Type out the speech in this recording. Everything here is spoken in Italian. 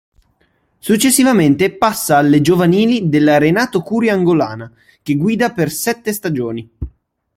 Successivamente passa alle giovanili della Renato Curi Angolana, che guida per sette stagioni.